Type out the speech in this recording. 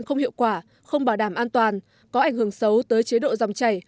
không hiệu quả không bảo đảm an toàn có ảnh hưởng xấu tới chế độ dòng chảy